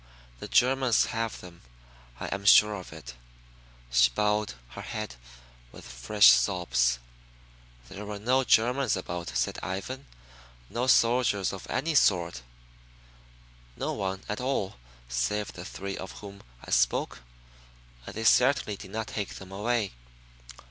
The Germans have them, I am sure of it." She bowed her head with fresh sobs. "There were no Germans about," said Ivan. "No soldiers of any sort; no one at all save the three of whom I spoke and they certainly did not take them away."